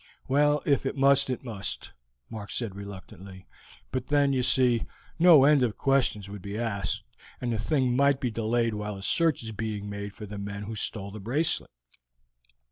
"Well, if it must, it must," Mark said reluctantly; "but then, you see, no end of questions would be asked, and the thing might be delayed while a search is being made for the men who stole the bracelet."